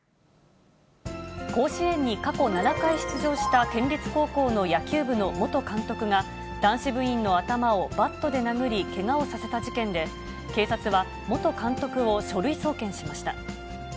甲子園に過去７回出場した県立高校の野球部の元監督が、男子部員の頭をバットで殴り、けがをさせた事件で、警察は、元監督を書類送検しました。